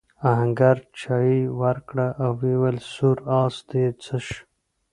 آهنګر چايي ورکړه او وویل سور آس دې څه شو؟